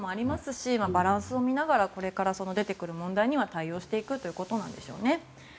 しバランスを見ながらこれから出てくる問題には対応していくということなんでしょうね。